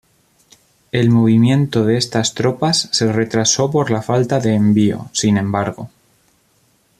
El movimiento de estas tropas se retrasó por la falta de envío, sin embargo.